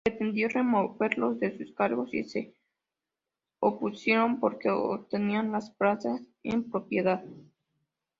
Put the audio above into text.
Pretendió removerlos de sus cargos y se opusieron porque obtenían las plazas en propiedad.